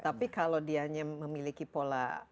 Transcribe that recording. tapi kalau dia hanya memiliki pola